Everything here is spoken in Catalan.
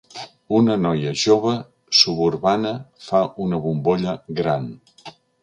Una noia jove suburbana fa una bombolla gran.